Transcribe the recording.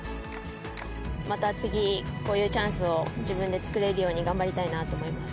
また次、こういうチャンスを自分で作れるように、頑張りたいなと思います。